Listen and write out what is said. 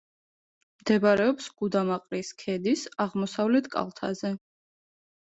მდებარეობს გუდამაყრის ქედის აღმოსავლეთ კალთაზე.